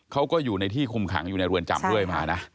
เขาก็อยู่ในที่คุมขังอยู่ในเรือนจำด้วยมานะ